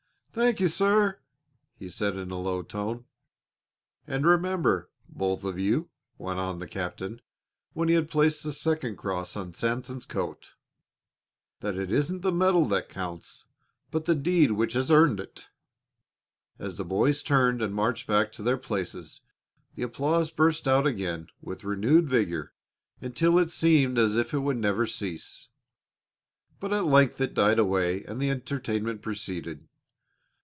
"Thank you, sir," he said in a low tone. "And remember, both of you," went on the captain, when he had placed the second cross on Sanson's coat, "that it isn't the medal that counts, but the deed which has earned it." As the boys turned and marched back to their places the applause burst out again with renewed vigor until it seemed as if it would never cease. But at length it died away and the entertainment proceeded.